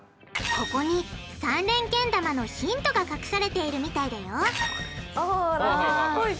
ここに３連けん玉のヒントが隠されているみたいだよぽいぽいぽい。